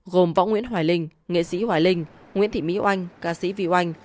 gồm võ nguyễn hoài linh nghệ sĩ hoài linh nguyễn thị mỹ oanh ca sĩ vy oanh